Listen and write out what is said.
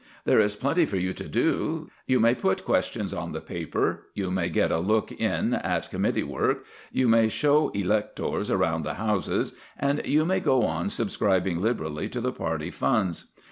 There is plenty for you to do; you may put questions on the paper, you may get a look in at committee work, you may show electors round the Houses, and you may go on subscribing liberally to the party funds.